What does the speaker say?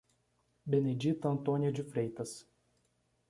Benedita Antônia de Freitas